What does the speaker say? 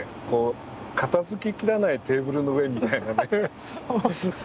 片づききらないテーブルの上みたいなね。